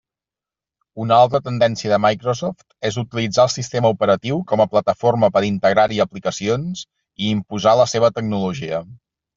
Una altra tendència de Microsoft és utilitzar el sistema operatiu com a plataforma per integrar-hi aplicacions i imposar la seva tecnologia.